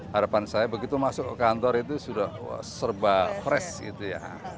harapan saya begitu masuk ke kantor itu sudah serba fresh gitu ya